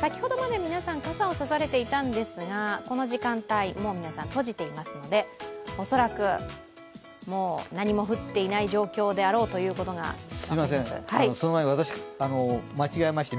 先ほどまで皆さん傘を差されていたんですが、この時間帯、もう皆さん閉じていますので恐らくもう何も降っていない状況であろうということが分かります。